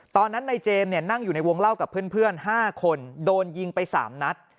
ตอนนั้นในเจมส์นั่งอยู่ในวงเล่ากับเพื่อน๕คนโดนยิงไป๓นัด